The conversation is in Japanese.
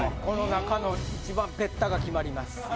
この中の一番ベッタが決まります。